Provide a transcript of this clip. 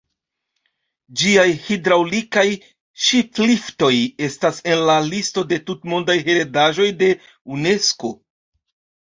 Ĝiaj hidraŭlikaj ŝipliftoj estas en la listo de tutmondaj heredaĵoj de Unesko.